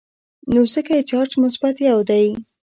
نو ځکه یې چارج مثبت یو دی.